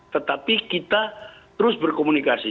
tetapi kita terus berkomunikasi